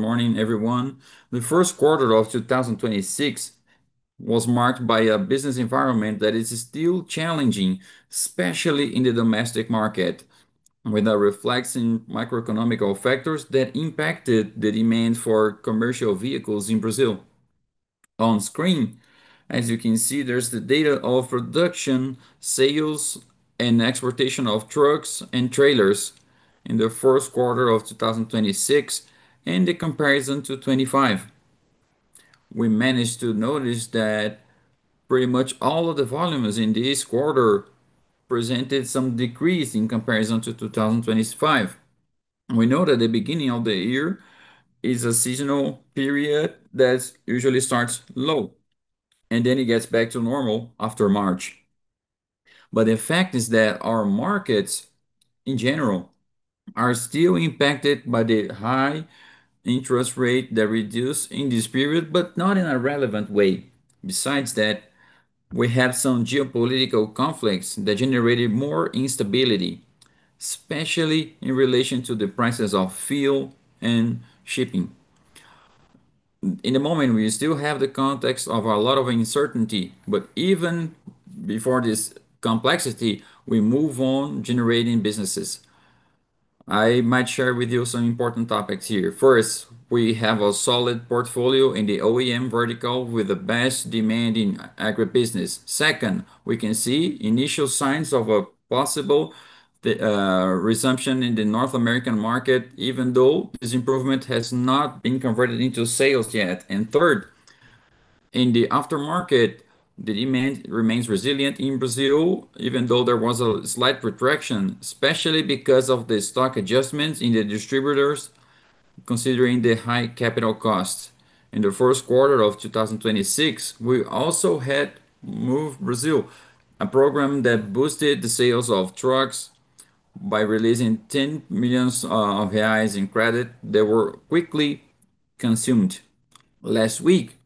Good morning, everyone. The first quarter of 2026 was marked by a business environment that is still challenging, especially in the domestic market, with a reflex in microeconomic factors that impacted the demand for commercial vehicles in Brazil. On screen, as you can see, there's the data of production, sales, and export of trucks and trailers in the first quarter of 2026, and the comparison to 2025. We managed to notice that pretty much all of the volumes in this quarter presented some decrease in comparison to 2025. We know that the beginning of the year is a seasonal period that usually starts low, and then it gets back to normal after March. The fact is that our markets, in general, are still impacted by the high interest rate, that reduced in this period, but not in a relevant way. Besides that, we have some geopolitical conflicts that generated more instability, especially in relation to the prices of fuel and shipping. In the moment, we still have the context of a lot of uncertainty, but even before this complexity, we move on generating businesses. I might share with you some important topics here. First, we have a solid portfolio in the OEM vertical with the best demand in agribusiness. Second, we can see initial signs of a possible resumption in the North American market, even though this improvement has not been converted into sales yet. Third, in the aftermarket, the demand remains resilient in Brazil, even though there was a slight retraction, especially because of the stock adjustments in the distributors considering the high capital costs. In the first quarter of 2026, we also had Move Brasil, a program that boosted the sales of trucks by releasing 10 million reais in credit that were quickly consumed. Last week,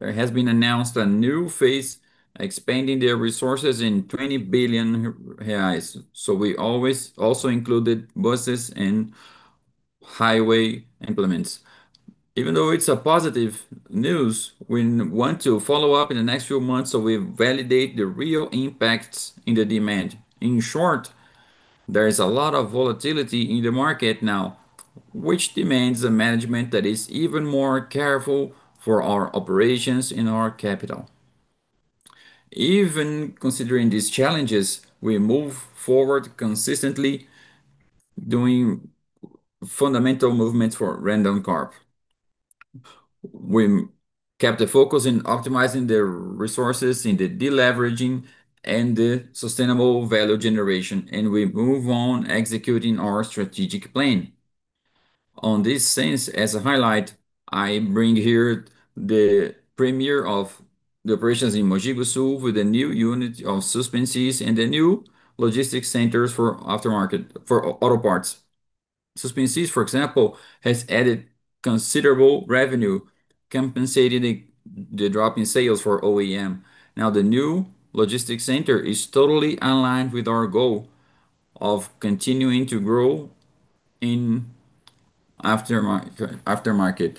there has been announced a new phase expanding their resources in 20 billion reais, we always also included buses and highway implements. Even though it's a positive news, we want to follow up in the next few months, we validate the real impacts in the demand. In short, there is a lot of volatility in the market now, which demands a management that is even more careful for our operations and our capital. Even considering these challenges, we move forward consistently, doing fundamental movements for Randoncorp. We kept the focus in optimizing the resources in the de-leveraging and the sustainable value generation, we move on executing our strategic plan. In this sense, as a highlight, I bring here the premiere of the operations in Mogi Guaçu with a new unit of Suspensys and the new logistics centers for aftermarket, for auto parts. Suspensys, for example, has added considerable revenue, compensating the drop in sales for OEM. The new logistics center is totally aligned with our goal of continuing to grow in aftermarket.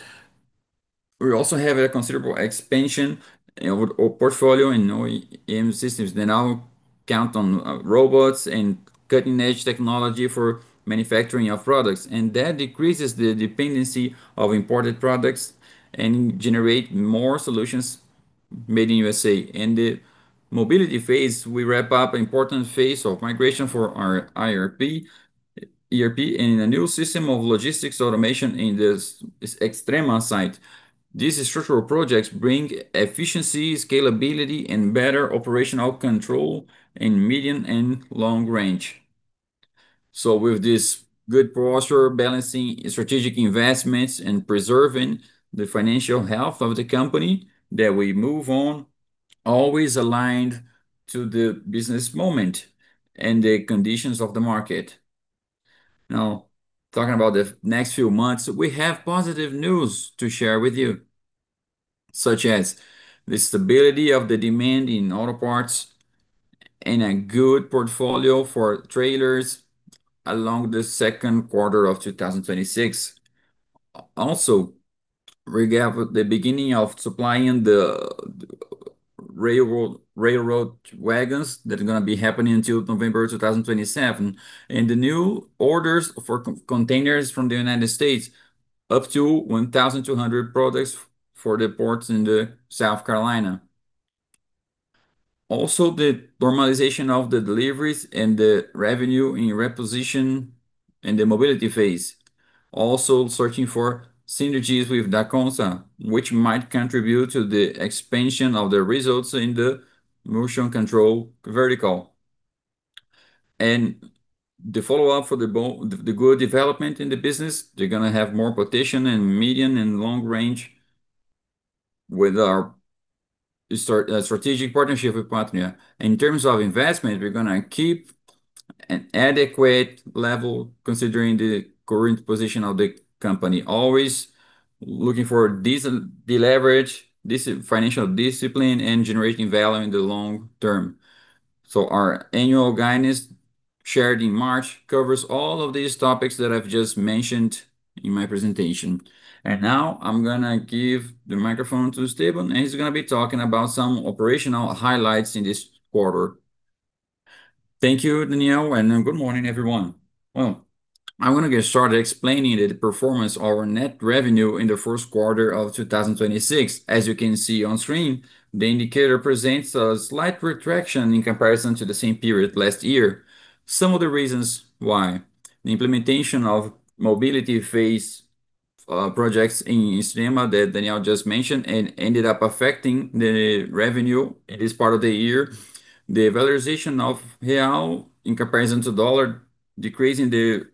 We also have a considerable expansion in our portfolio in OEM systems. They now count on robots and cutting-edge technology for manufacturing our products, that decreases the dependency of imported products and generate more solutions made in U.S.A. In the mobility phase, we wrap up important phase of migration for our ERP, and a new system of logistics automation in this Extrema site. These structural projects bring efficiency, scalability and better operational control in medium and long-range. With this good posture, balancing strategic investments and preserving the financial health of the company that we move on, always aligned to the business moment and the conditions of the market. Talking about the next few months, we have positive news to share with you, such as the stability of the demand in auto parts and a good portfolio for trailers along the second quarter of 2026. We have the beginning of supplying the railroad wagons that are gonna be happening until November 2027. The new orders for containers from the United States, up to 1,200 products for the ports in the South Carolina. The normalization of the deliveries and the revenue in reposition in the mobility phase. Searching for synergies with Dacomsa, which might contribute to the expansion of the results in the motion control vertical. The follow-up for the good development in the business, they're gonna have more potential in medium and long range with our strategic partnership with Pátria. In terms of investment, we're gonna keep an adequate level considering the current position of the company. Always looking for decent deleverage, financial discipline and generating value in the long term. Our annual guidance shared in March covers all of these topics that I've just mentioned in my presentation. Now I'm gonna give the microphone to Esteban, and he's gonna be talking about some operational highlights in this quarter. Thank you, Daniel, and good morning, everyone. Well, I wanna get started explaining the performance of our net revenue in the first quarter of 2026. As you can see on screen, the indicator presents a slight retraction in comparison to the same period last year. Some of the reasons why, the implementation of mobility phase projects in Extrema that Daniel just mentioned, ended up affecting the revenue in this part of the year. The valorization of BRL in comparison to dollar, decreasing the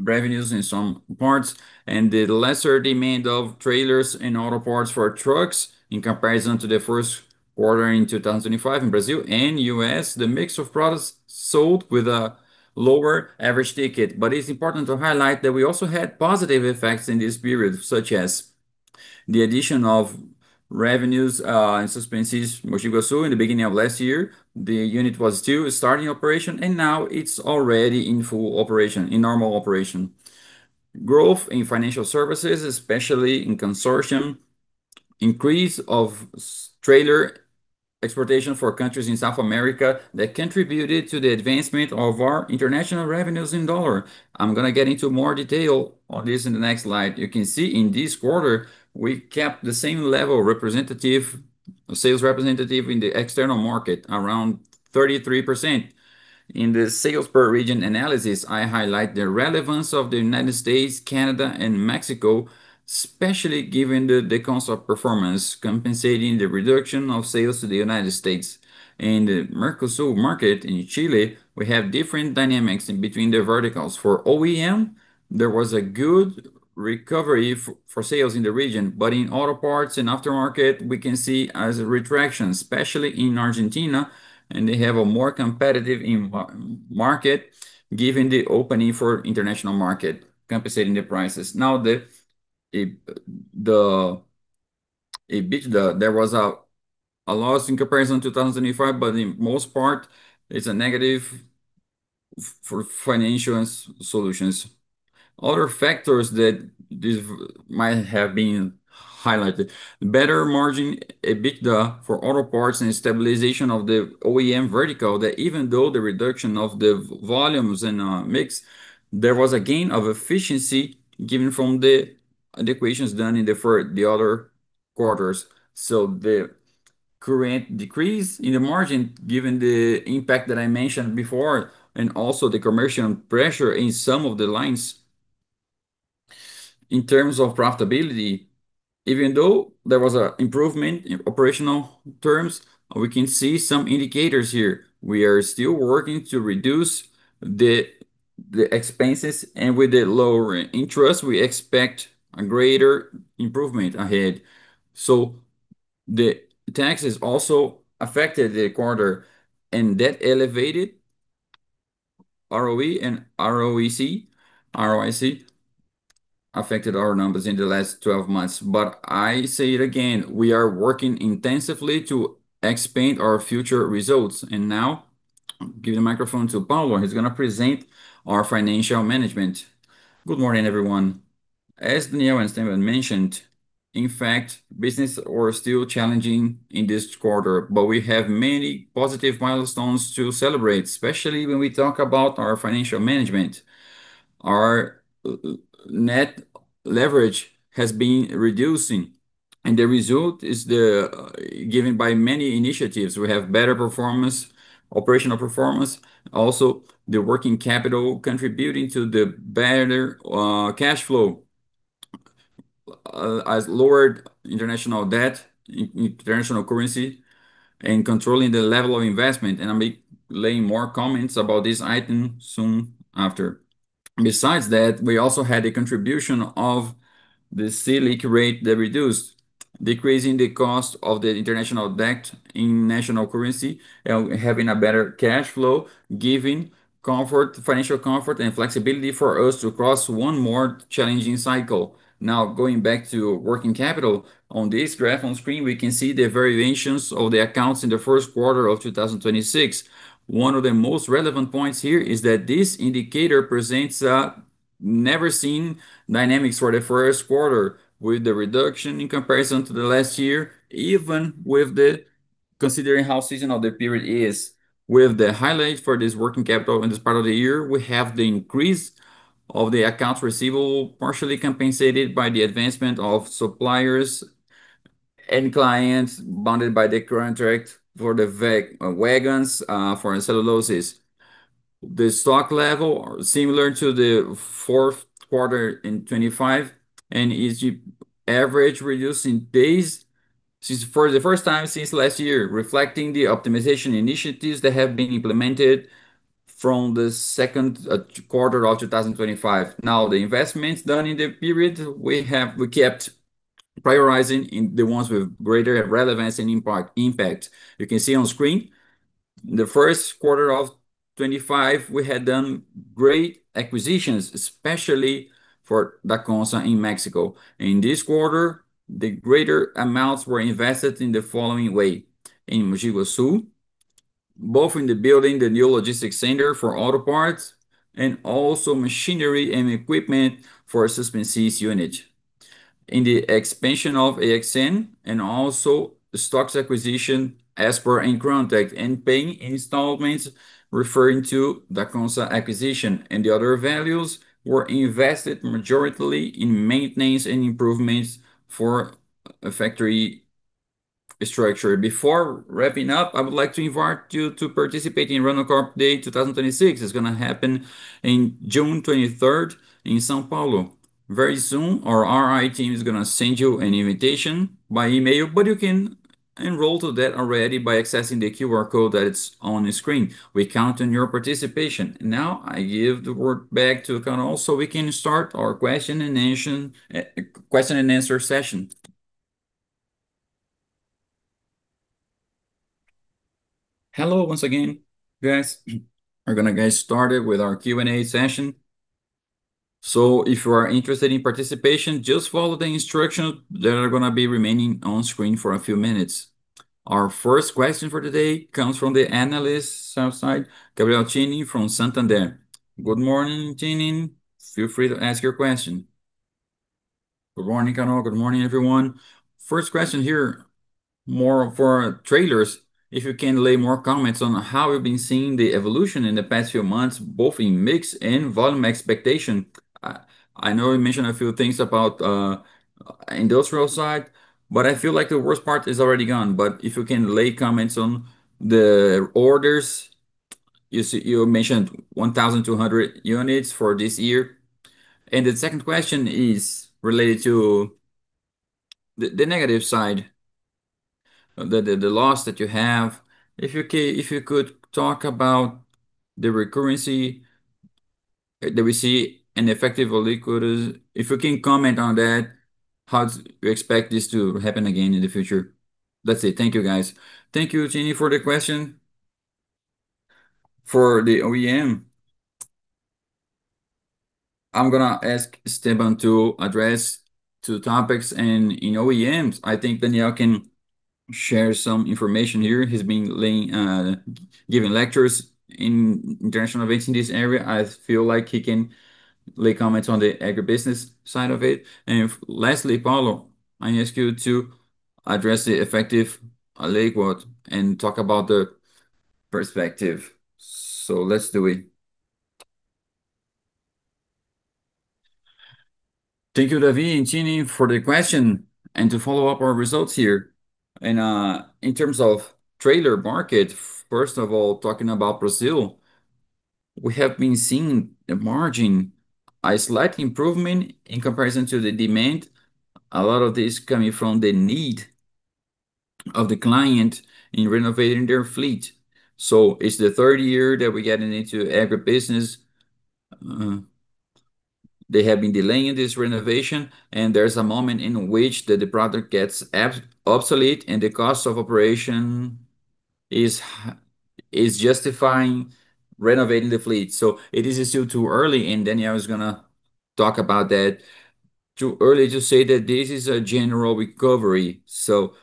revenues in some parts, the lesser demand of trailers and auto parts for trucks in comparison to the first quarter in 2025 in Brazil and U.S., the mix of products sold with a lower average ticket. It's important to highlight that we also had positive effects in this period, such as the addition of revenues and Suspensys, Mogi Guaçu, in the beginning of last year. The unit was due, starting operation, and now it's already in full operation, in normal operation. Growth in financial services, especially in consortium. Increase of trailer exportation for countries in South America that contributed to the advancement of our international revenues in dollar. I'm gonna get into more detail on this in the next slide. You can see in this quarter, we kept the same sales representative in the external market, around 33%. In the sales per region analysis, I highlight the relevance of the United States, Canada, and Mexico, especially given the concept performance, compensating the reduction of sales to the United States. In the Mercosur market, in Chile, we have different dynamics in between the verticals. For OEM, there was a good recovery for sales in the region, but in auto parts and aftermarket, we can see as a retraction, especially in Argentina, and they have a more competitive market, given the opening for international market, compensating the prices. EBITDA, there was a loss in comparison 2025, in most part, it's a negative for financial solutions. Other factors that this might have been highlighted, better margin EBITDA for auto parts and stabilization of the OEM vertical that even though the reduction of the volumes and mix, there was a gain of efficiency given from the equations done in the other quarters. The current decrease in the margin, given the impact that I mentioned before, and also the commercial pressure in some of the lines. In terms of profitability, even though there was a improvement in operational terms, we can see some indicators here. We are still working to reduce the expenses, with the lower interest, we expect a greater improvement ahead. The taxes also affected the quarter, and that elevated ROE and ROIC affected our numbers in the last 12 months. I say it again, we are working intensively to expand our future results. Now, give the microphone to Paulo. He's gonna present our financial management. Good morning, everyone. As Daniel and Esteban mentioned, in fact, business are still challenging in this quarter, but we have many positive milestones to celebrate, especially when we talk about our financial management. Our net leverage has been reducing, and the result is given by many initiatives. We have better performance, operational performance, also the working capital contributing to the better cash flow. As lowered international debt, international currency, and controlling the level of investment, and I laying more comments about this item soon after. We also had a contribution of the Selic rate that reduced, decreasing the cost of the international debt in national currency and having a better cash flow, giving comfort, financial comfort and flexibility for us to cross one more challenging cycle. Going back to working capital, on this graph on screen, we can see the variations of the accounts in the first quarter of 2026. One of the most relevant points here is that this indicator presents a never-seen dynamics for the first quarter, with the reduction in comparison to the last year, even with the considering how seasonal the period is. With the highlight for this working capital in this part of the year, we have the increase of the accounts receivable, partially compensated by the advancement of suppliers and clients bonded by the current direct for the wagons for cellulose. The stock level are similar to the fourth quarter in 2025, is average reduce in days since, for the first time since last year, reflecting the optimization initiatives that have been implemented from the second quarter of 2025. The investments done in the period, we kept prioritizing in the ones with greater relevance and impact. You can see on screen, the first quarter of 2025, we had done great acquisitions, especially for Dacomsa in Mexico. In this quarter, the greater amounts were invested in the following way. In Mogi Guaçu, both in the building the new logistics center for auto parts, and also machinery and equipment for Suspensys units. In the expansion of AXN and also stocks acquisition, Aspra and Crontec, paying installments referring to the Dacomsa acquisition. The other values were invested majority in maintenance and improvements for a factory structure. Before wrapping up, I would like to invite you to participate in Randoncorp Day 2026. It's gonna happen in June 23rd in São Paulo. Very soon our RI team is gonna send you an invitation by email, but you can enroll to that already by accessing the QR code that it's on the screen. We count on your participation. Now, I give the word back to Coin so we can start our question and answer session. Hello once again, guys. We're gonna get started with our Q&A session. If you are interested in participation, just follow the instructions that are gonna be remaining on screen for a few minutes. Our first question for today comes from the analyst sell-side, Gabriel Tinem from Santander. Good morning, Tinem. Feel free to ask your question. Good morning, Coin. Good morning, everyone. First question here, more for trailers, if you can lay more comments on how we've been seeing the evolution in the past few months, both in mix and volume expectation. I know you mentioned a few things about industrial side, but I feel like the worst part is already gone. If you can lay comments on the orders. You mentioned 1,200 units for this year. The second question is related to the negative side, the loss that you have. If you could talk about the recurrency that we see and effective tax rate. If you can comment on that, how do you expect this to happen again in the future? That's it. Thank you, guys. Thank you, Tinem, for the question. For the OEM, I'm gonna ask Esteban to address two topics. In OEMs, I think Daniel can share some information here. He's been laying, giving lectures in international events in this area. I feel like he can lay comments on the agribusiness side of it. Lastly, Paulo, I ask you to address the effective tax rate and talk about the perspective. Let's do it. Thank you, Davi and Tinem, for the question. To follow up our results here, in terms of trailer market, first of all, talking about Brazil, we have been seeing the margin a slight improvement in comparison to the demand. A lot of this coming from the need of the client in renovating their fleet. It's the third year that we're getting into agribusiness. They have been delaying this renovation, and there's a moment in which the product gets obsolete and the cost of operation is justifying renovating the fleet. It is still too early, and Daniel is gonna talk about that. Too early to say that this is a general recovery.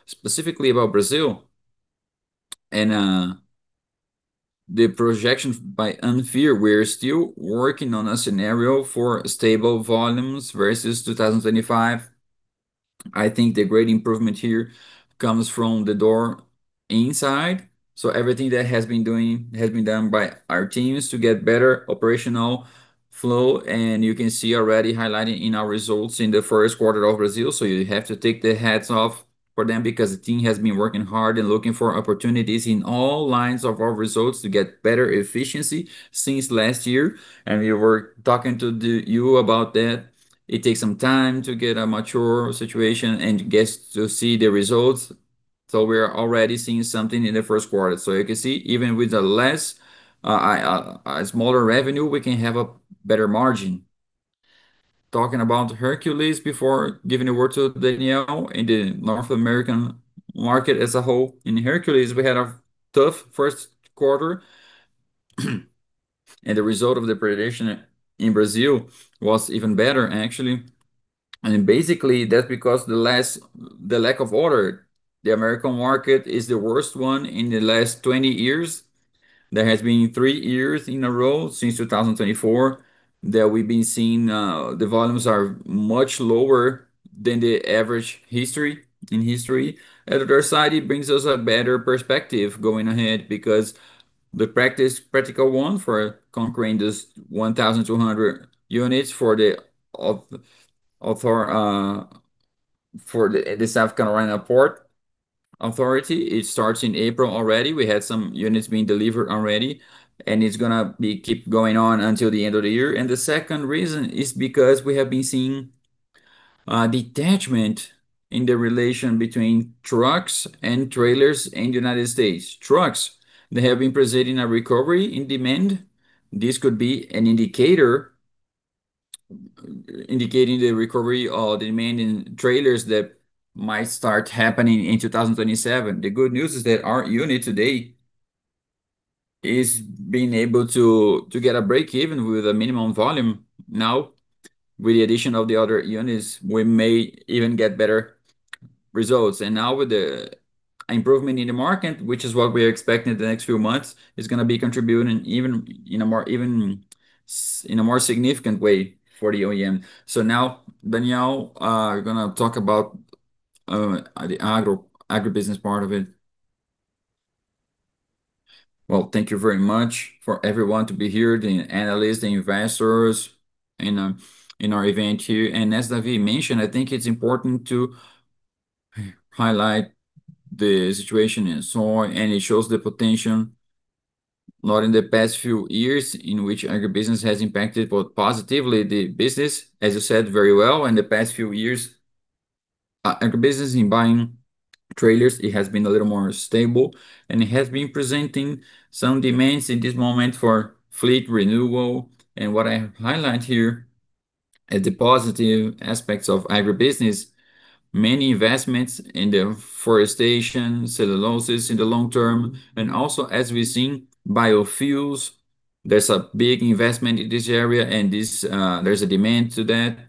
Specifically about Brazil and the projections by ANFIR, we're still working on a scenario for stable volumes versus 2025. I think the great improvement here comes from the door inside. Everything that has been done by our teams to get better operational flow. You can see already highlighted in our results in the first quarter of Brazil. You have to take the hats off for them because the team has been working hard and looking for opportunities in all lines of our results to get better efficiency since last year. We were talking to you about that. It takes some time to get a mature situation and gets to see the results. We are already seeing something in the first quarter. You can see, even with a smaller revenue, we can have a better margin. Talking about Hercules before giving a word to Daniel in the U.S. market as a whole. In Hercules, we had a tough first quarter, and the result of the prediction in Brazil was even better, actually. Basically, that's because the lack of order. The American market is the worst one in the last 20 years. There has been three years in a row since 2024 that we've been seeing, the volumes are much lower than the average history, in history. At our side, it brings us a better perspective going ahead because the practical one for conquering this 1,200 units for our, for the South Carolina Ports Authority, it starts in April already. We had some units being delivered already. It's gonna be keep going on until the end of the year. The second reason is because we have been seeing, detachment in the relation between trucks and trailers in the United States. Trucks, they have been presenting a recovery in demand. This could be an indicator indicating the recovery of demand in trailers that might start happening in 2027. The good news is that our unit today is being able to get a breakeven with a minimum volume. Now, with the addition of the other units, we may even get better results. Now with the improvement in the market, which is what we're expecting in the next few months, it's going to be contributing even in a more significant way for the OEM. Now, Daniel is going to talk about the agribusiness part of it. Well, thank you very much for everyone to be here, the analysts, the investors in our event here. As Davi mentioned, I think it's important to highlight the situation in soy, and it shows the potential, not in the past few years, in which agribusiness has impacted both positively the business, as you said very well. In the past few years, agribusiness in buying trailers, it has been a little more stable, and it has been presenting some demands in this moment for fleet renewal. What I highlight here as the positive aspects of agribusiness, many investments in the forestation, celluloses in the long term, and also, as we've seen, biofuels. There's a big investment in this area and this, there's a demand to that.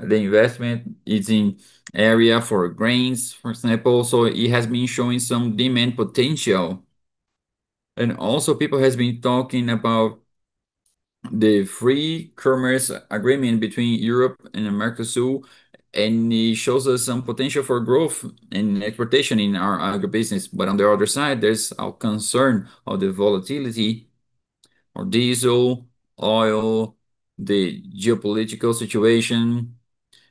The investment is in area for grains, for example. It has been showing some demand potential. Also people has been talking about the free commerce agreement between Europe and Mercosul, and it shows us some potential for growth and exportation in our agribusiness. On the other side, there's a concern of the volatility of diesel, oil, the geopolitical situation,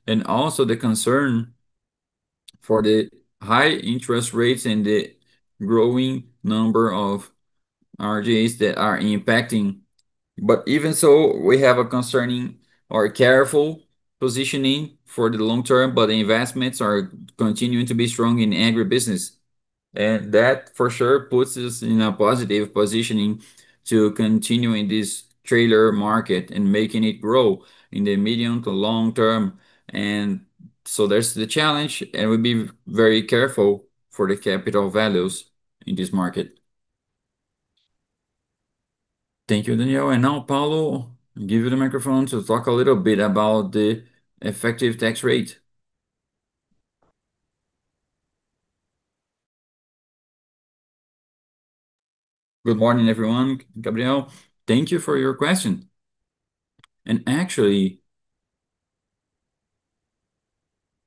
and also the concern for the high interest rates and the growing number of RJs that are impacting. Even so, we have a concerning or careful positioning for the long term, but the investments are continuing to be strong in agribusiness. That, for sure, puts us in a positive positioning to continuing this trailer market and making it grow in the medium to long term. So there's the challenge, and we'll be very careful for the capital values in this market. Thank you, Daniel. Now, Paulo, give you the microphone to talk a little bit about the effective tax rate. Good morning, everyone. Gabriel, thank you for your question. Actually,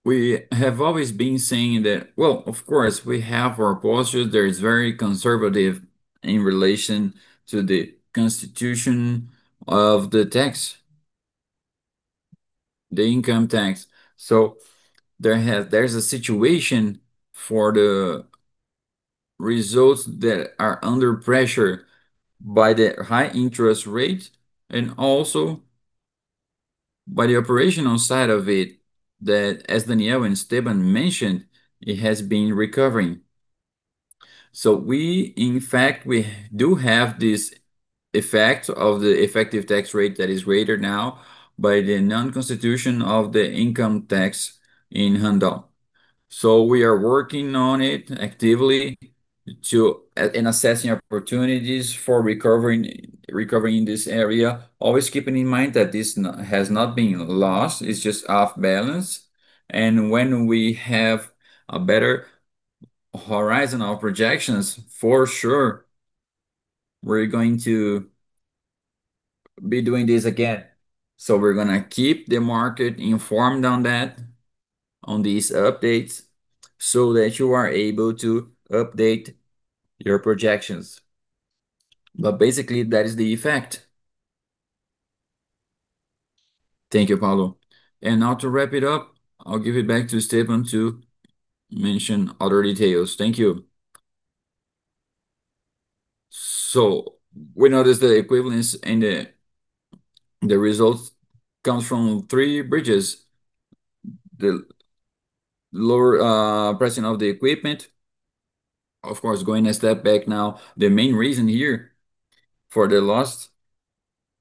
we have always been saying that, well, of course, we have our posture that is very conservative in relation to the constitution of the tax, the income tax. There's a situation for the results that are under pressure by the high interest rate and also by the operational side of it that, as Daniel and Esteban mentioned, it has been recovering. We, in fact, we do have this effect of the effective tax rate that is greater now by the non-constitution of the income tax in Randon. We are working on it actively to in assessing opportunities for recovering this area, always keeping in mind that this has not been lost, it's just off balance. When we have a better horizon of projections, for sure, we're going to be doing this again. We're going to keep the market informed on that, on these updates, so that you are able to update your projections. Basically, that is the effect. Thank you, Paulo. Now to wrap it up, I'll give it back to Esteban to mention other details. Thank you. We noticed the equivalence in the results comes from three bridges. The lower pricing of the equipment. Of course, going a step back now, the main reason here for the loss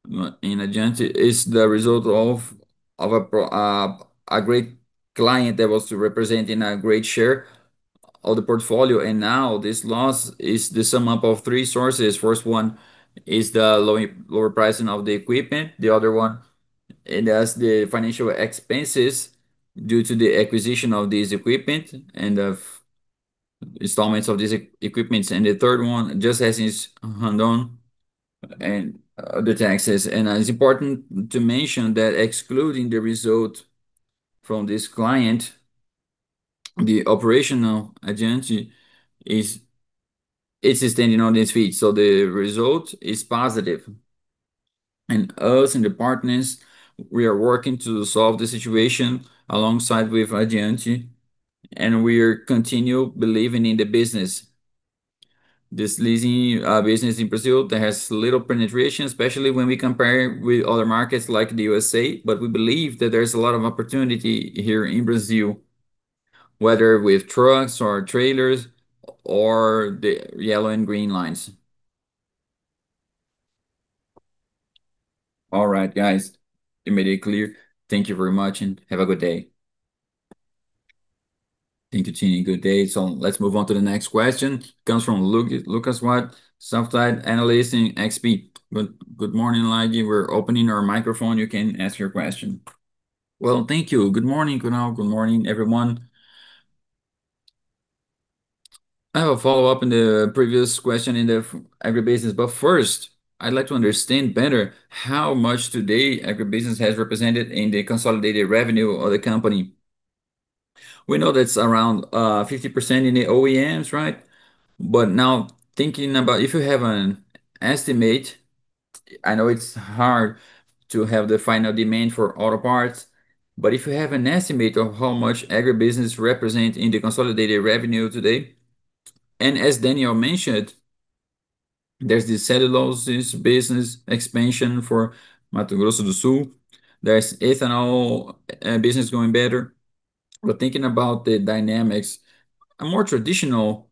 in Agente is the result of a great client that was representing a great share of the portfolio. Now this loss is the sum up of three sources. First one is the lower pricing of the equipment. The other one, it has the financial expenses due to the acquisition of this equipment and of installments of this equipments. The third one, just as is Randon and the taxes. It's important to mention that excluding the result from this client, the operational Agente is standing on its feet. The result is positive. Us and the partners, we are working to solve the situation alongside with Agente, and we continue believing in the business. This leasing business in Brazil that has little penetration, especially when we compare with other markets like the U.S.A., but we believe that there's a lot of opportunity here in Brazil, whether with trucks or trailers or the yellow and green lines. All right, guys, you made it clear. Thank you very much and have a good day. Thank you, Tinem. Good day. Let's move on to the next question. It comes from Lucas Laghi, Analyst, XP. Good morning Laghi. Open your microphone and ask your question. Well, thank you. Good morning, Coin. Good morning, everyone. I have a follow-up in the previous question in the agribusiness. First, I'd like to understand better how much today agribusiness has represented in the consolidated revenue of the company. We know that's around 50% in the OEMs, right? Now thinking about if you have an estimate, I know it's hard to have the final demand for auto parts, but if you have an estimate of how much agribusiness represent in the consolidated revenue today. As Daniel mentioned, there's the cellulose business expansion for Mato Grosso do Sul. There's ethanol business going better. Thinking about the dynamics, a more traditional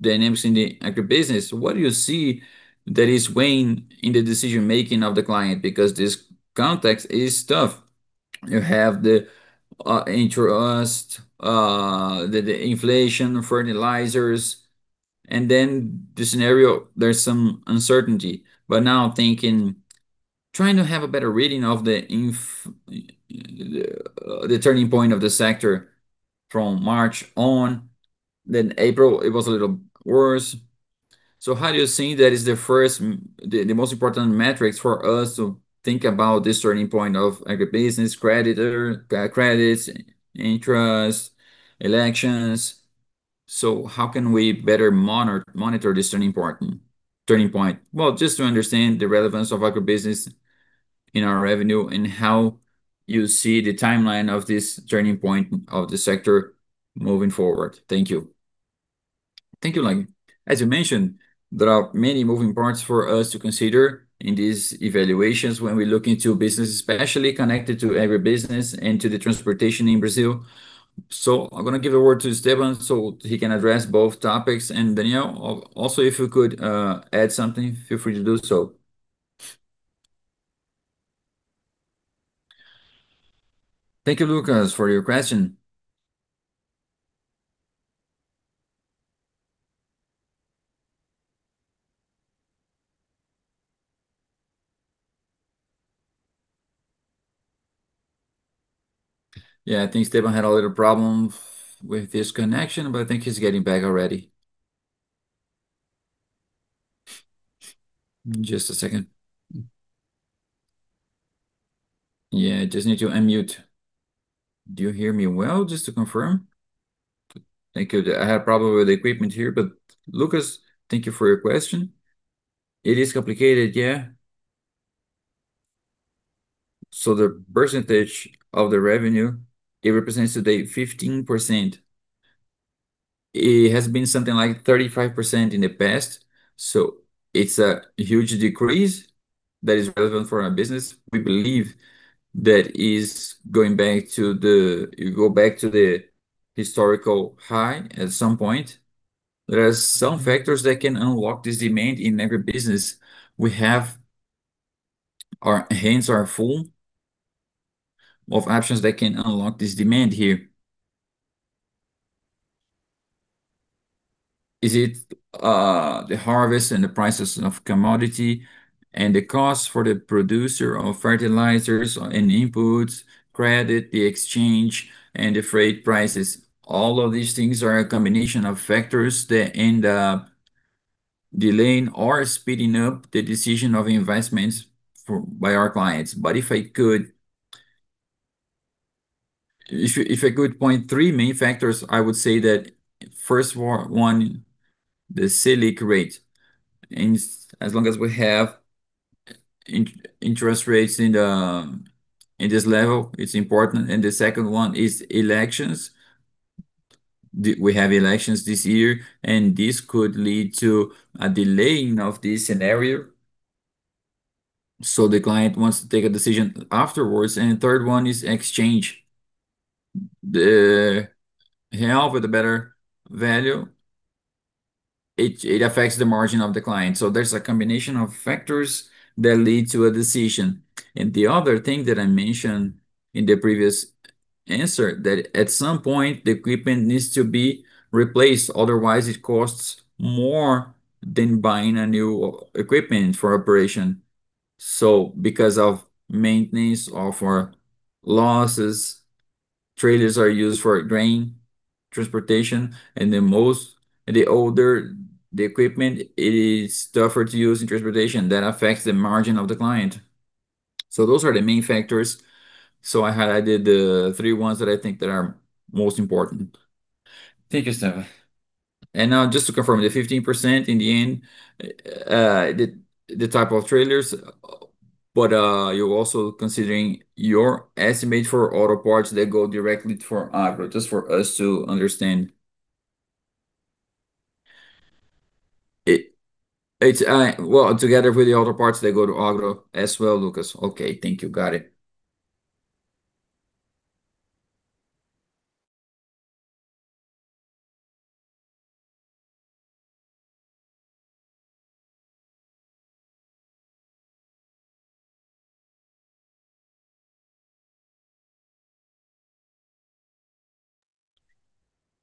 dynamics in the agribusiness, what do you see that is weighing in the decision-making of the client? Because this context is tough. You have the interest, the inflation, fertilizers, and then the scenario, there's some uncertainty. Now I'm thinking, trying to have a better reading of the turning point of the sector from March on. April, it was a little worse. How do you see that is the most important metrics for us to think about this turning point of agribusiness, creditor, credits, interest, elections. How can we better monitor this turning point? Just to understand the relevance of agribusiness in our revenue and how you see the timeline of this turning point of the sector moving forward. Thank you. Thank you, Lucas. As you mentioned, there are many moving parts for us to consider in these evaluations when we look into business, especially connected to every business and to the transportation in Brazil. I'm gonna give a word to Esteban so he can address both topics. Daniel, also, if you could add something, feel free to do so. Thank you, Lucas, for your question. I think Esteban had a little problem with his connection, but I think he's getting back already. Just a second. Just need to unmute. Do you hear me well, just to confirm? Thank you. I have problem with the equipment here. Lucas, thank you for your question. It is complicated. The percentage of the revenue, it represents today 15%. It has been something like 35% in the past. It's a huge decrease that is relevant for our business. We believe that it go back to the historical high at some point. There are some factors that can unlock this demand in agribusiness. We have our hands are full of options that can unlock this demand here. Is it the harvest and the prices of commodity and the cost for the producer of fertilizers and inputs, credit, the exchange and the freight prices? All of these things are a combination of factors that end up delaying or speeding up the decision of investments by our clients. If I could point three main factors, I would say that first one, the Selic rate. As long as we have interest rates in this level, it's important. The second one is elections. We have elections this year, and this could lead to a delaying of this scenario. The client wants to take a decision afterwards. Third one is exchange. The real with a better value, it affects the margin of the client. There's a combination of factors that lead to a decision. The other thing that I mentioned in the previous answer, that at some point the equipment needs to be replaced, otherwise it costs more than buying a new equipment for operation. Because of maintenance, of losses, trailers are used for grain transportation. The older the equipment, it is tougher to use in transportation. That affects the margin of the client. Those are the main factors. I had added the three ones that I think that are most important. Thank you Esteban. Just to confirm, the 15% in the end, the type of trailers, you're also considering your estimate for auto parts that go directly to, for agro, just for us to understand. It, it's, well, together with the auto parts, they go to agro as well, Lucas. Okay. Thank you. Got it.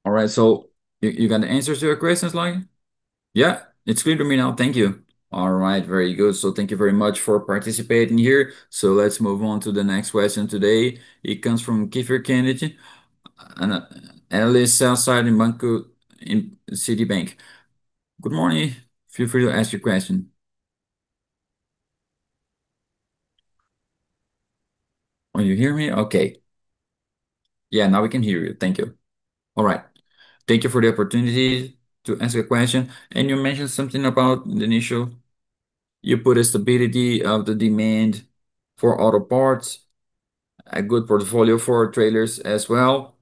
All right. You, you got the answers to your questions, Lucas Laghi? Yeah, it's clear to me now. Thank you. All right. Very good. Thank you very much for participating here. Let's move on to the next question today. It comes from Kiepher Kennedy, L.A. sell-side in Banco in Citi. Good morning. Feel free to ask your question. Can you hear me? Okay. Yeah. Now we can hear you. Thank you. All right. Thank you for the opportunity to ask a question. You mentioned something about the initial, you put a stability of the demand for auto parts, a good portfolio for trailers as well.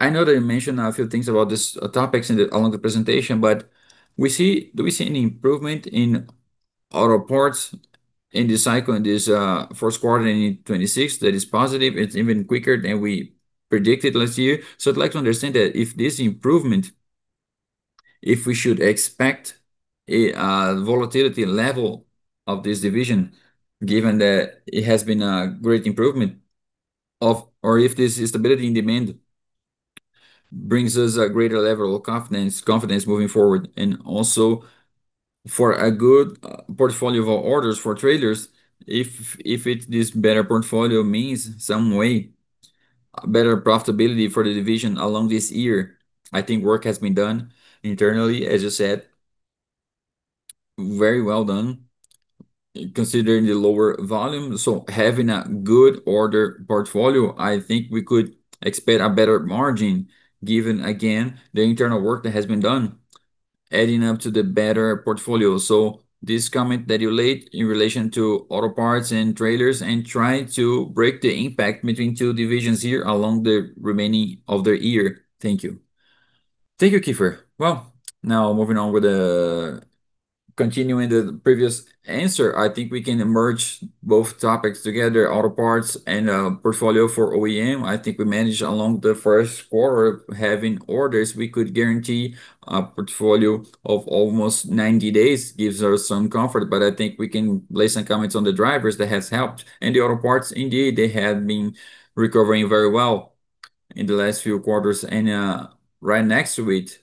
I know that you mentioned a few things about this topics in the on the presentation, do we see any improvement in auto parts in this cycle, in this first quarter in 2026 that is positive? It's even quicker than we predicted last year. I'd like to understand that if this improvement, if we should expect a volatility level of this division, given that it has been a great improvement of, or if this stability in demand brings us a greater level of confidence moving forward. Also for a good portfolio of orders for trailers, if it's this better portfolio means some way better profitability for the division along this year. I think work has been done internally, as you said, very well done considering the lower volume. Having a good order portfolio, I think we could expect a better margin given, again, the internal work that has been done, adding up to the better portfolio. This comment that you laid in relation to auto parts and trailers, and try to break the impact between two divisions here along the remaining of the year. Thank you. Thank you, Kiepher. Now moving on with the continuing the previous answer, I think we can merge both topics together, auto parts and portfolio for OEM. I think we managed along the first quarter having orders we could guarantee a portfolio of almost 90 days. Gives us some comfort, but I think we can place some comments on the drivers that has helped. The auto parts, indeed, they have been recovering very well in the last few quarters. Right next to it,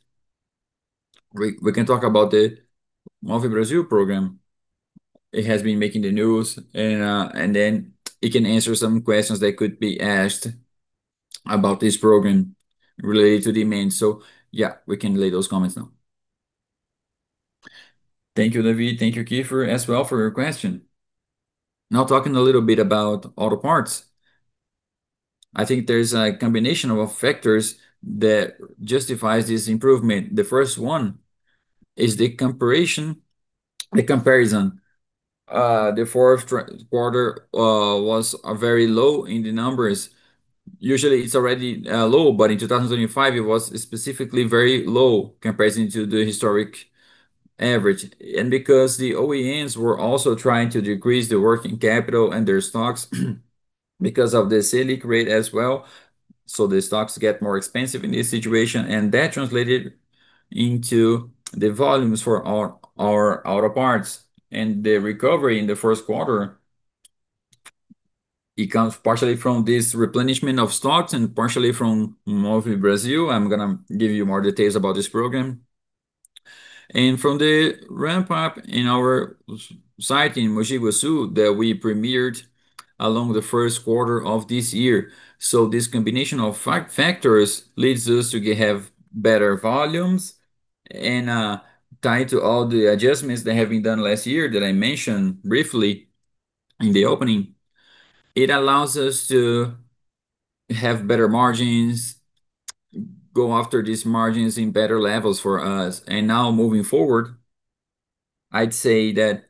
we can talk about the Move Brasil program. It has been making the news, it can answer some questions that could be asked about this program related to demand. Yeah, we can lay those comments now. Thank you, Davi. Thank you, Kiepher as well for your question. Now talking a little bit about auto parts, I think there's a combination of factors that justifies this improvement. The first one is the comparison. The fourth quarter was very low in the numbers. Usually it's already low, but in 2025 it was specifically very low comparison to the historic average. Because the OEMs were also trying to decrease the working capital and their stocks because of the Selic rate as well, so the stocks get more expensive in this situation, and that translated into the volumes for our auto parts. The recovery in the first quarter, it comes partially from this replenishment of stocks and partially from Move Brasil. I'm gonna give you more details about this program. From the ramp up in our site in Mogi Guaçu that we premiered along the first quarter of this year. This combination of factors leads us to have better volumes and tied to all the adjustments that have been done last year that I mentioned briefly in the opening, it allows us to have better margins, go after these margins in better levels for us. Moving forward, I'd say that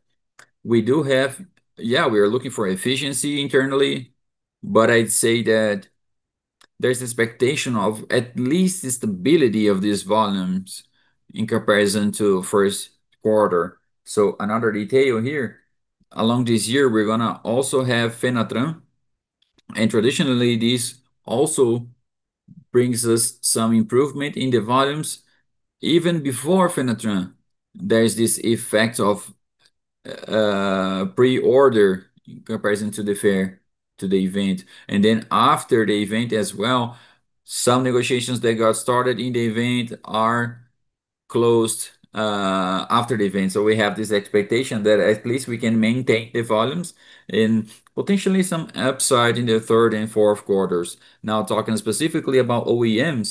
we are looking for efficiency internally, but I'd say that there is expectation of at least the stability of these volumes in comparison to first quarter. Another detail here, along this year, we are going to also have Fenatran, and traditionally this also brings us some improvement in the volumes. Even before Fenatran, there is this effect of pre-order in comparison to the event. After the event as well, some negotiations that got started in the event are closed after the event. We have this expectation that at least we can maintain the volumes and potentially some upside in the third and fourth quarters. Talking specifically about OEMs.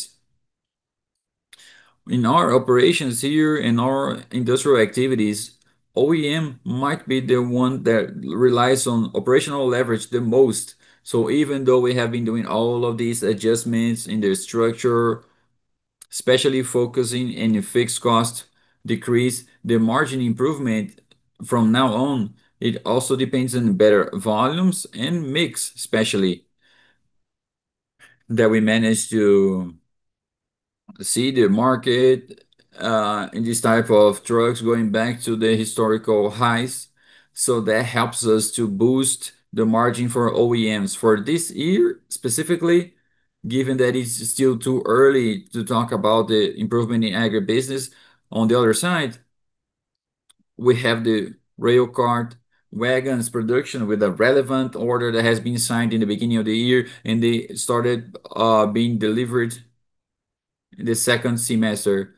In our operations here, in our industrial activities, OEM might be the one that relies on operational leverage the most. Even though we have been doing all of these adjustments in the structure, especially focusing in the fixed cost decrease, the margin improvement from now on, it also depends on better volumes and mix, especially that we managed to see the market in this type of trucks going back to the historical highs. So that helps us to boost the margin for OEMs. For this year specifically-Given that it's still too early to talk about the improvement in agribusiness, on the other side, we have the rail cart wagons production with a relevant order that has been signed in the beginning of the year, and they started being delivered the second semester.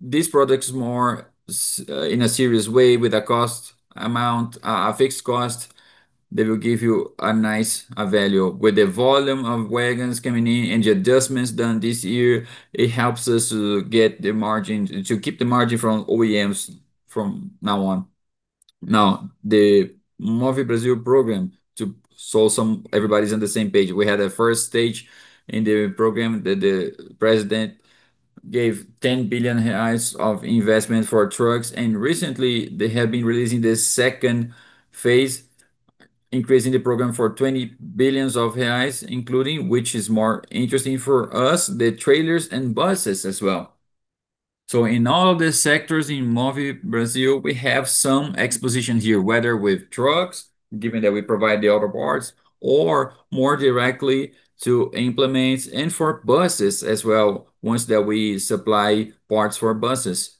These products in a serious way with a cost amount, a fixed cost that will give you a nice, a value. With the volume of wagons coming in and the adjustments done this year, it helps us to get the margin, to keep the margin from OEMs from now on. The Move Brasil program, everybody's on the same page. We had a first stage in the program that the president gave 10 billion reais of investment for trucks. Recently, they have been releasing the second phase, increasing the program for 20 billion reais, including, which is more interesting for us, the trailers and buses as well. In all the sectors in Move Brasil, we have some expositions here, whether with trucks, given that we provide the auto parts, or more directly to implements and for buses as well, ones that we supply parts for buses.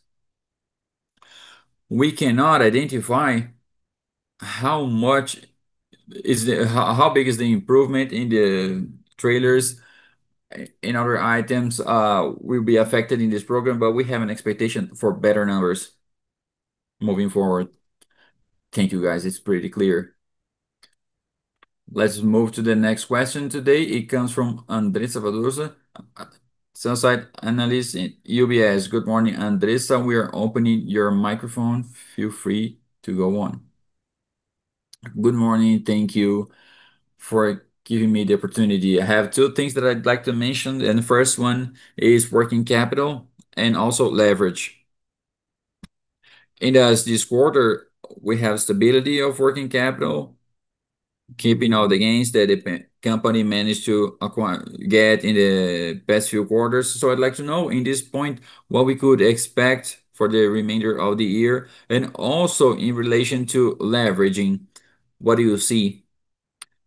We cannot identify how much is the how big is the improvement in the trailers. In other items will be affected in this program. We have an expectation for better numbers moving forward. Thank you, guys. It's pretty clear. Let's move to the next question today. It comes from Andressa Varotto, sell-side Analyst in UBS. Good morning, Andressa. We are opening your microphone. Feel free to go on. Good morning. Thank you for giving me the opportunity. I have two things that I'd like to mention. The first one is working capital and also leverage. As this quarter, we have stability of working capital, keeping all the gains that the company managed to acquire, get in the past few quarters. I'd like to know, in this point, what we could expect for the remainder of the year, and also in relation to leveraging, what do you see?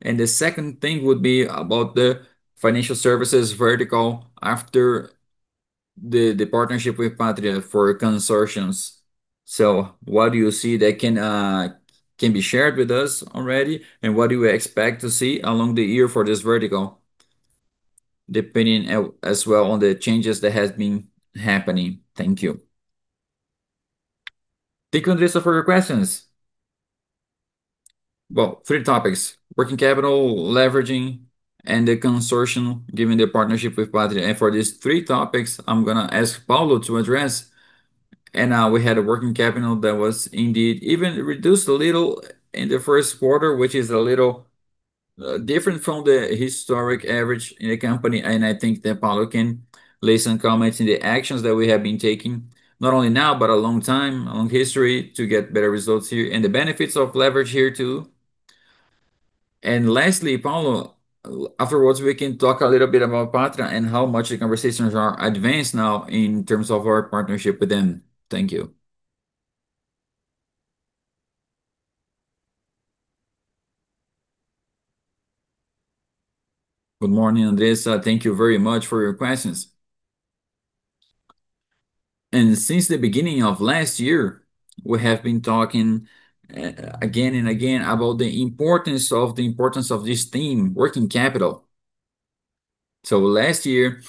The second thing would be about the financial services vertical after the partnership with Pátria for consortiums. What do you see that can be shared with us already, and what do you expect to see along the year for this vertical, depending as well on the changes that has been happening? Thank you. Thank you, Andressa, for your questions. Well, three topics: working capital, leveraging, and the consortium, given the partnership with Pátria. For these three topics, I'm gonna ask Paulo to address. We had a working capital that was indeed even reduced a little in the first quarter, which is a little different from the historic average in the company. I think that Paulo can lay some comments in the actions that we have been taking, not only now, but a long time, a long history to get better results here, and the benefits of leverage here, too. Lastly, Paulo, afterwards we can talk a little bit about Pátria and how much the conversations are advanced now in terms of our partnership with them. Thank you. Good morning, Andressa. Thank you very much for your questions. Since the beginning of last year, we have been talking again and again about the importance of this theme, working capital. Last year,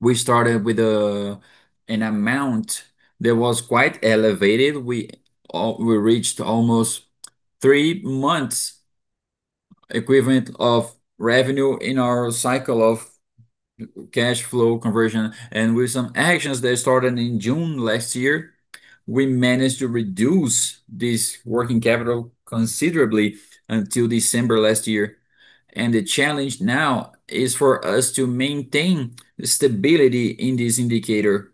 we started with an amount that was quite elevated. We reached almost three months equivalent of revenue in our cycle of cash flow conversion. With some actions that started in June last year, we managed to reduce this working capital considerably until December last year. The challenge now is for us to maintain the stability in this indicator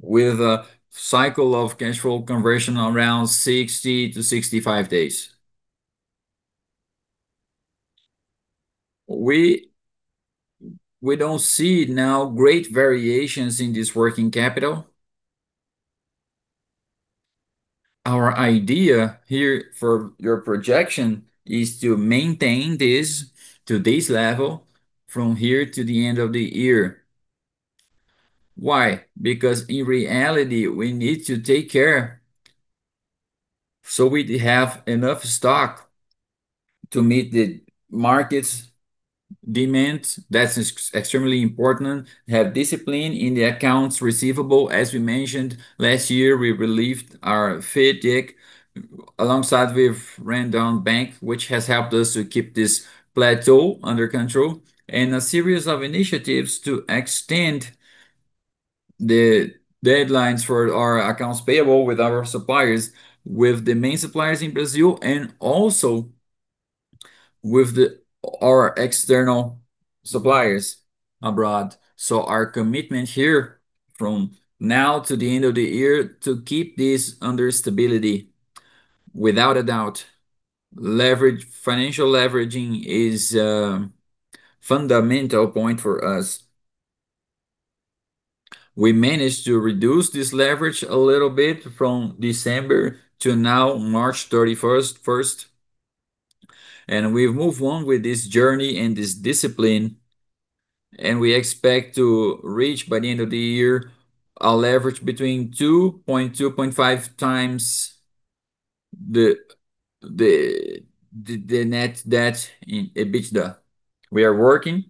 with a cycle of cash flow conversion around 60-65 days. We don't see now great variations in this working capital. Our idea here for your projection is to maintain this to this level from here to the end of the year. Why? Because in reality, we need to take care so we have enough stock to meet the market's demand. That's extremely important. Have discipline in the accounts receivable. As we mentioned, last year, we relieved our FIDC alongside with Banco Randon, which has helped us to keep this plateau under control, and a series of initiatives to extend the deadlines for our accounts payable with our suppliers, with the main suppliers in Brazil, and also our external suppliers abroad. Our commitment here from now to the end of the year to keep this under stability. Without a doubt, leverage, financial leveraging is a fundamental point for us. We managed to reduce this leverage a little bit from December to now, March 31st, and we've moved on with this journey and this discipline, and we expect to reach, by the end of the year, a leverage between 2.2-2.5 times the net debt in EBITDA. We are working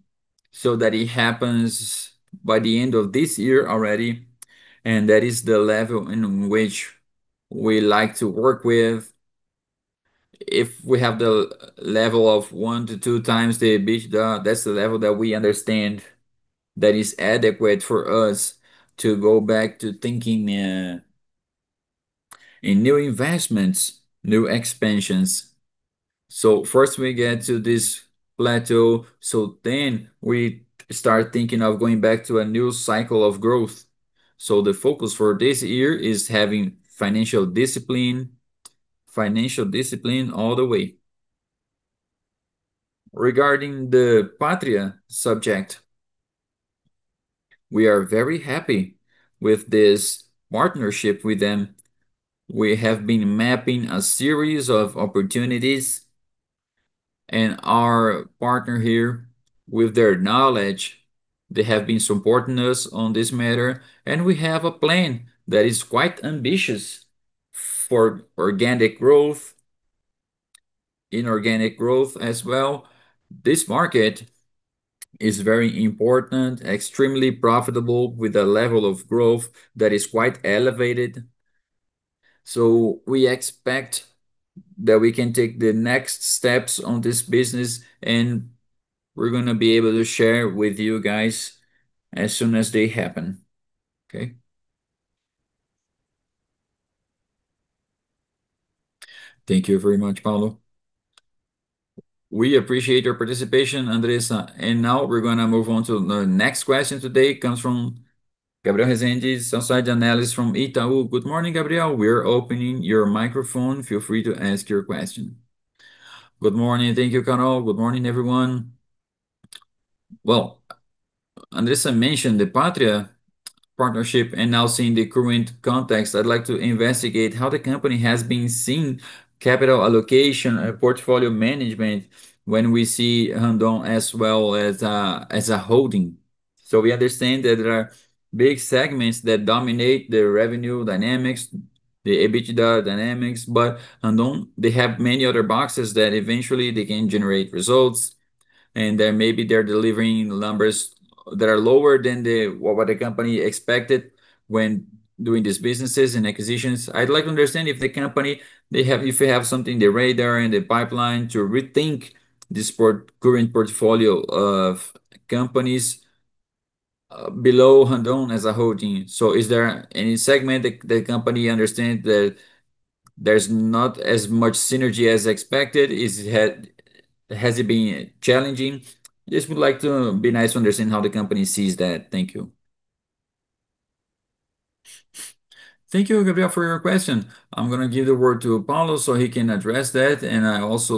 so that it happens by the end of this year already. That is the level in which we like to work with. If we have the level of one to two times the EBITDA, that's the level that we understand that is adequate for us to go back to thinking in new investments, new expansions. First, we get to this plateau. Then we start thinking of going back to a new cycle of growth. The focus for this year is having financial discipline, financial discipline all the way. Regarding the Pátria subject, we are very happy with this partnership with them. We have been mapping a series of opportunities. Our partner here, with their knowledge, they have been supporting us on this matter. We have a plan that is quite ambitious for organic growth, inorganic growth as well. We expect that we can take the next steps on this business, and we're gonna be able to share with you guys as soon as they happen. Okay? Thank you very much, Paulo. We appreciate your participation, Andressa. Now we're gonna move on to the next question today. It comes from Gabriel Rezende, sell-side analyst from Itaú. Good morning, Gabriel. We are opening your microphone. Feel free to ask your question. Good morning. Thank you, Coin. Good morning, everyone. Andressa mentioned the Pátria partnership, and now seeing the current context, I'd like to investigate how the company has been seeing capital allocation and portfolio management when we see Randon as a holding. We understand that there are big segments that dominate the revenue dynamics, the EBITDA dynamics, but Randon, they have many other boxes that eventually they can generate results and then maybe they're delivering numbers that are lower than what the company expected when doing these businesses and acquisitions. I'd like to understand if the company, they have something, the radar in the pipeline to rethink this current portfolio of companies, below Randon as a whole team. Is there any segment that the company understand that there's not as much synergy as expected? Has it been challenging? Just would like to Be nice to understand how the company sees that. Thank you. Thank you, Gabriel, for your question. I'm gonna give the word to Paulo so he can address that, and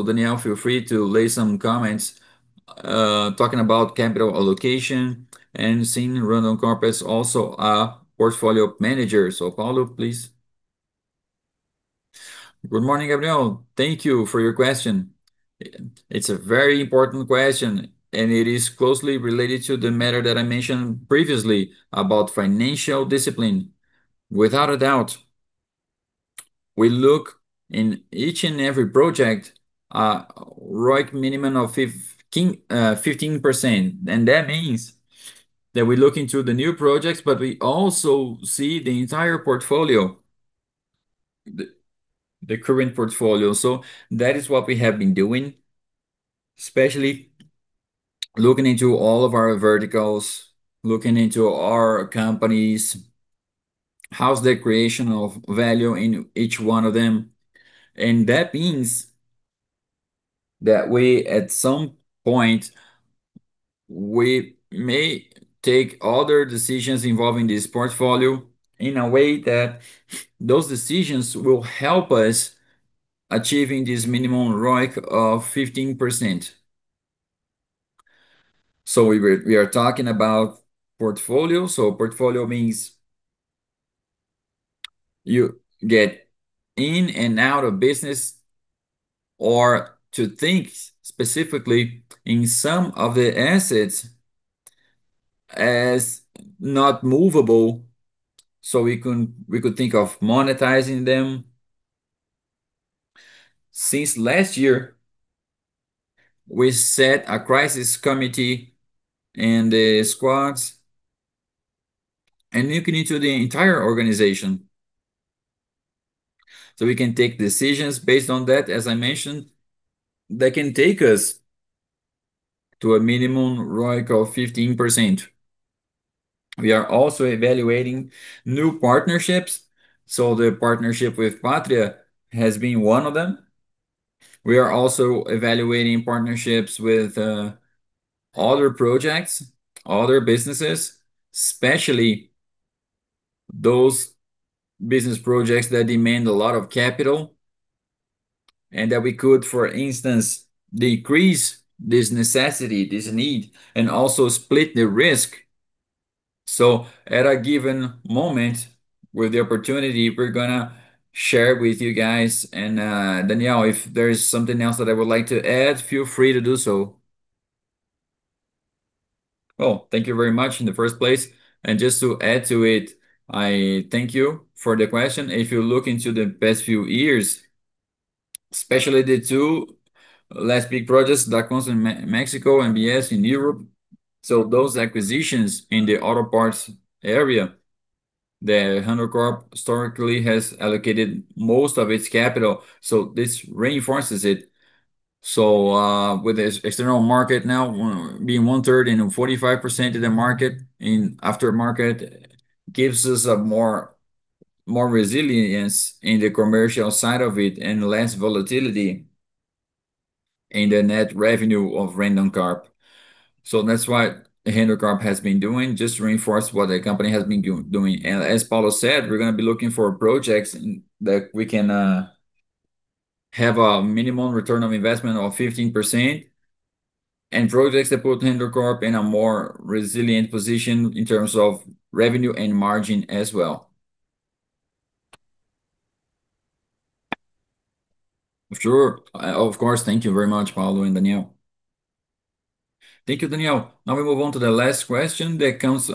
Daniel, feel free to lay some comments talking about capital allocation and seeing Randoncorp also a portfolio manager. Paulo, please. Good morning, Gabriel. Thank you for your question. It's a very important question, and it is closely related to the matter that I mentioned previously about financial discipline. Without a doubt, we look in each and every project a ROIC minimum of 15%, That means that we look into the new projects, We also see the entire portfolio, the current portfolio. That is what we have been doing, especially looking into all of our verticals, looking into our companies, how's the creation of value in each one of them. That means that we, at some point, we may take other decisions involving this portfolio in a way that those decisions will help us achieving this minimum ROIC of 15%. We are talking about portfolio. Portfolio means you get in and out of business or to think specifically in some of the assets as not movable. We could think of monetizing them. Since last year, we set a crisis committee in the squads and looking into the entire organization, so we can take decisions based on that, as I mentioned, that can take us to a minimum ROIC of 15%. We are also evaluating new partnerships, so the partnership with Pátria has been one of them. We are also evaluating partnerships with other projects, other businesses, especially those business projects that demand a lot of capital. That we could, for instance, decrease this necessity, this need, and also split the risk. At a given moment, with the opportunity, we're gonna share with you guys. Daniel, if there is something else that I would like to add, feel free to do so. Oh, thank you very much in the first place. Just to add to it, I thank you for the question. If you look into the past few years, especially the two last big projects, Dacomsa in Mexico, EBS in Europe. Those acquisitions in the auto parts area, the Randoncorp historically has allocated most of its capital. This reinforces it. With the external market now being 1/3 and 45% of the market in aftermarket, gives us a more, more resilience in the commercial side of it and less volatility in the net revenue of Randoncorp. That's what Randoncorp has been doing, just to reinforce what the company has been doing. As Paulo said, we're gonna be looking for projects that we can have a minimum return on investment of 15%, and projects that put Randoncorp in a more resilient position in terms of revenue and margin as well. Sure. Of course. Thank you very much, Paulo and Daniel. Thank you, Daniel. We move on to the last question that comes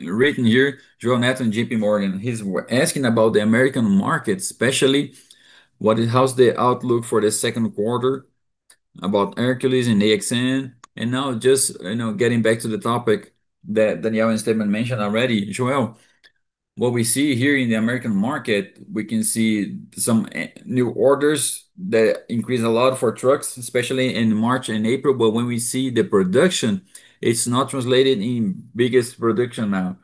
written here, Joel Net from JPMorgan. He's asking about the American market, especially how's the outlook for the second quarter about Hercules and AXN. Now just, you know, getting back to the topic that Daniel and Esteban mentioned already. Joel, what we see here in the American market, we can see some new orders that increase a lot for trucks, especially in March and April. When we see the production, it's not translated in biggest production now.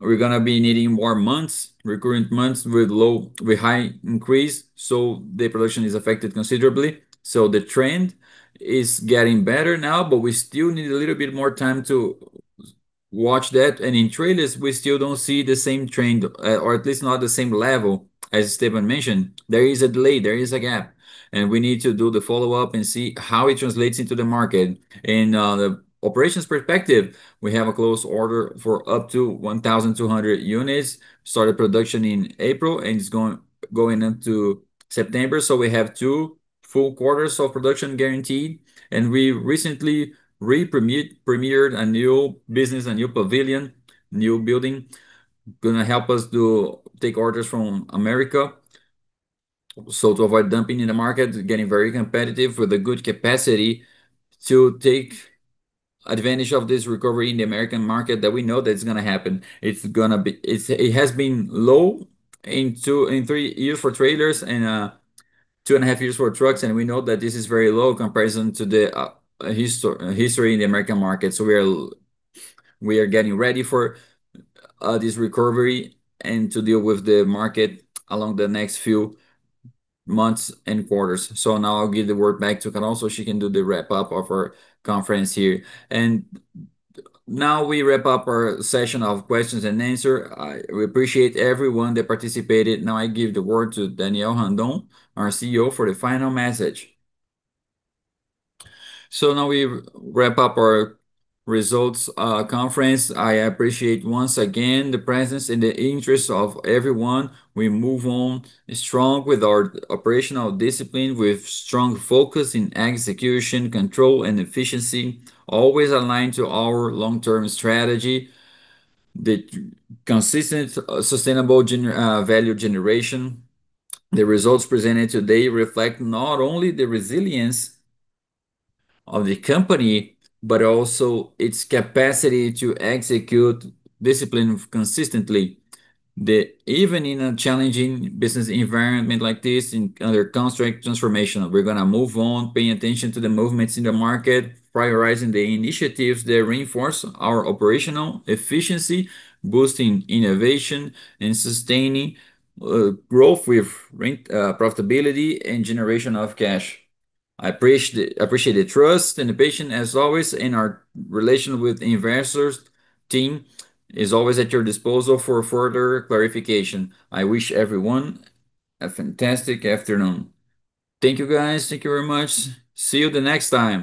We're gonna be needing more months, recurrent months with high increase, the production is affected considerably. The trend is getting better now, we still need a little bit more time to watch that. In trailers, we still don't see the same trend, or at least not the same level as Esteban mentioned. There is a delay, there is a gap. We need to do the follow-up and see how it translates into the market. In the operations perspective, we have a close order for up to 1,200 units. Started production in April, it's going up to September. We have two full quarters of production guaranteed. We recently premiered a new business, a new pavilion, new building, gonna help us to take orders from America. To avoid dumping in the market, getting very competitive with a good capacity to take advantage of this recovery in the American market that we know that it's gonna happen. It has been low in two, in three years for trailers and two and a half years for trucks. We know that this is very low comparison to the history in the American market. We are getting ready for this recovery and to deal with the market along the next few months and quarters. Now I'll give the word back to Carol, so she can do the wrap up of our conference here. Now we wrap up our session of questions and answer. We appreciate everyone that participated. Now I give the word to Daniel Randon, our CEO, for the final message. Now we wrap up our results conference. I appreciate once again the presence and the interest of everyone. We move on strong with our operational discipline, with strong focus in execution, control and efficiency, always aligned to our long-term strategy, the consistent, sustainable value generation. The results presented today reflect not only the resilience of the company, but also its capacity to execute discipline consistently. Even in a challenging business environment like this, in other constraint transformation, we're going to move on, paying attention to the movements in the market, prioritizing the initiatives that reinforce our operational efficiency, boosting innovation, and sustaining growth with profitability and generation of cash. I appreciate the trust and the patience as always in our relation with investors. The team is always at your disposal for further clarification. I wish everyone a fantastic afternoon. Thank you, guys. Thank you very much. See you the next time.